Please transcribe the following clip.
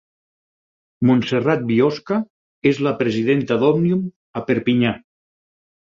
Montserrat Biosca és la presidenta d'Òmnium a Perpinyà.